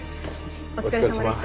お疲れさまでした。